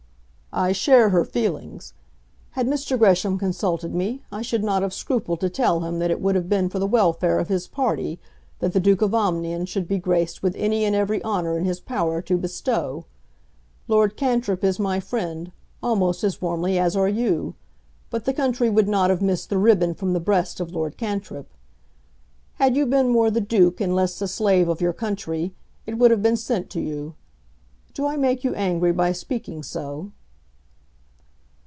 "I share her feelings. Had Mr. Gresham consulted me, I should not have scrupled to tell him that it would have been for the welfare of his party that the Duke of Omnium should be graced with any and every honour in his power to bestow. Lord Cantrip is my friend, almost as warmly as are you; but the country would not have missed the ribbon from the breast of Lord Cantrip. Had you been more the Duke, and less the slave of your country, it would have been sent to you. Do I make you angry by speaking so?"